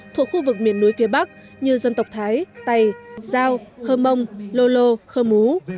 thuộc khu vực miền núi phía bắc như dân tộc thái tây giao hơ mông lô lô hơ mú